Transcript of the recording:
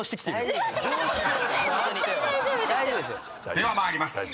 ［では参ります。